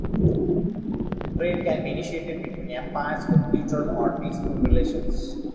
Trade can be initiated between empires with neutral or peaceful relations.